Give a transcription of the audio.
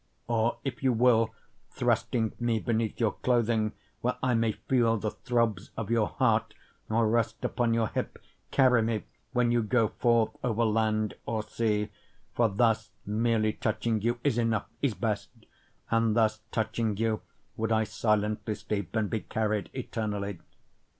Or if you will, thrusting me beneath your clothing, Where I may feel the throbs of your heart or rest upon your hip, Carry me when you go forth over land or sea; For thus merely touching you is enough, is best, And thus touching you would I silently sleep and be carried eternally.